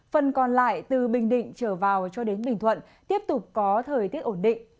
phần còn lại từ bình định trở vào cho đến bình thuận tiếp tục có thời tiết ổn định